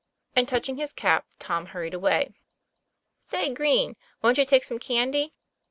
And touching his cap Tom hurried away. ;' Say, Green, wont you take some candy?"